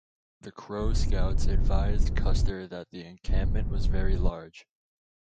The Crow scouts advised Custer that the encampment was very large.